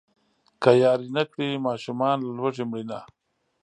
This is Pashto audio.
که ياري نه کړي ماشومان له لوږې مرينه.